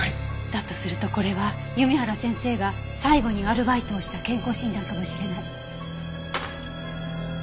だとするとこれは弓原先生が最後にアルバイトをした健康診断かもしれない。